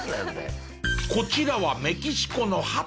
こちらはメキシコのハト。